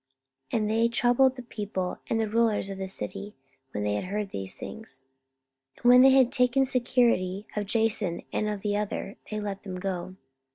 44:017:008 And they troubled the people and the rulers of the city, when they heard these things. 44:017:009 And when they had taken security of Jason, and of the other, they let them go.